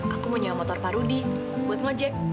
aku menyewa motor pak rudi buat ngojek